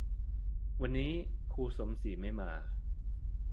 วันนี้คุณครูสมศรีไม่มา